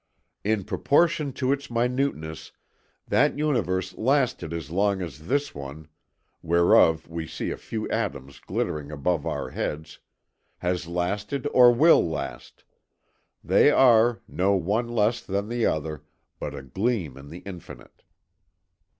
"In proportion to its minuteness, that universe lasted as long as this one whereof we see a few atoms glittering above our heads has lasted or will last. They are, one no less than the other, but a gleam in the Infinite."